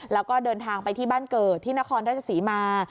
แล้วก็เดินทางไปที่บ้านเกิดที่นครราชศรีมา